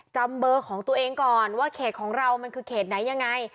จำเบอร์ของตัวเองก่อนว่าเขตของเรามันคือเขตไหนยังไง